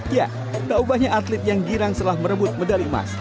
ya tak ubahnya atlet yang girang setelah merebut medali emas